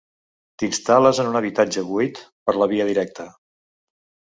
T'instal·les en un habitatge buit per la via directa.